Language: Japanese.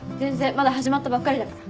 まだ始まったばっかりだから。